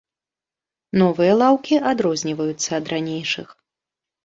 Новыя лаўкі адрозніваюцца ад ранейшых.